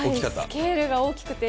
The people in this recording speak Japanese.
スケールが大きくて。